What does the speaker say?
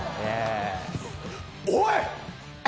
おい！